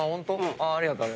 ありがとう。